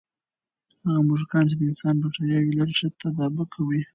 هغه موږکان چې د انسان بکتریاوې لري، ښه تطابق کوي.